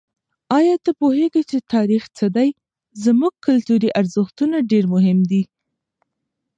آیا ته پوهېږې چې تاریخ څه دی؟ زموږ کلتوري ارزښتونه ډېر مهم دي.